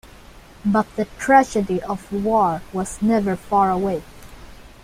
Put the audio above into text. But the tragedy of war was never far away.